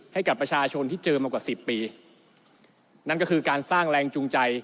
ให้กับประชาชนที่เจอมากว่าสิบปีนั่นก็คือการสร้างแรงจูงใจ